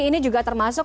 ini juga termasuk